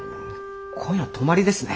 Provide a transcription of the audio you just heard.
今夜は泊まりですね。